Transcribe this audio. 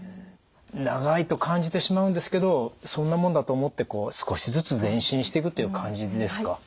長いと感じてしまうんですけどそんなもんだと思ってこう少しずつ前進していくっていう感じですか。